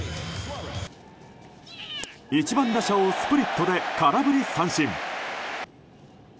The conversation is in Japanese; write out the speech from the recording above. １番打者をスプリットで空振り三振。